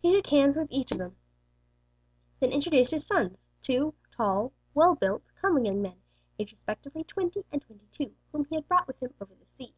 He shook hands with each, then introduced his sons, two tall, well built, comely young men, aged respectively twenty and twenty two, whom he had brought with him over the sea.